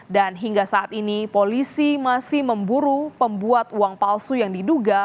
hingga saat ini polisi masih memburu pembuat uang palsu yang diduga